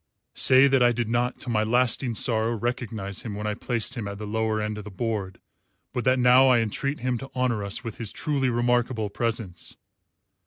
"Say that I did not, to my lasting sorrow, recognise him when I placed him at the lower end of the board, but that now I entreat him to honour us with his truly remarkable presence.